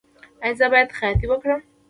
ایا زه باید خیاطۍ وکړم؟